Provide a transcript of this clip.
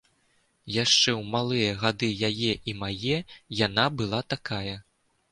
Яшчэ ў малыя гады яе і мае яна была такая.